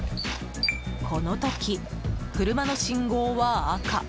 この時、車の信号は赤。